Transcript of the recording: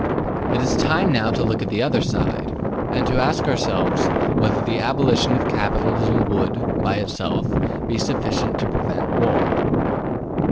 It is time now to look at the other side, and to ask ourselves whether the abolition of capitalism would, by itself, be sufficient to prevent war.